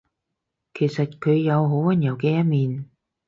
其實佢有好溫柔嘅一面